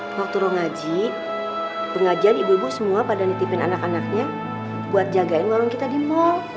waktu ruang ngaji pengajian ibu ibu semua pada nitipin anak anaknya buat jagain warung kita di mall